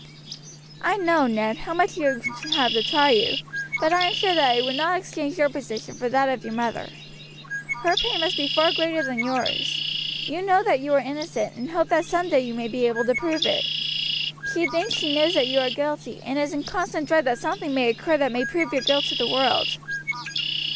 "I know, Ned, how much you have to try you, but I am sure that I would not exchange your position for that of your mother. Her pain must be far greater than yours. You know that you are innocent, and hope that some day you may be able to prove it. She thinks she knows that you are guilty, and is in constant dread that something may occur that may prove your guilt to the world."